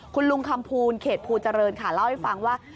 คุณลุงคำภูณเขตภูเจริญค่ะเล่าให้ฟังว่า